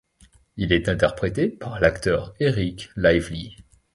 Il est interprété par l'acteur Eric Lively.